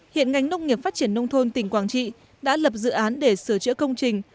hiện ngành nông nghiệp phát triển nông thôn tỉnh quảng trị đã lập dự án để sửa chữa công trình